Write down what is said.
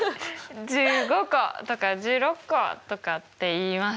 １５個とか１６個とかって言います。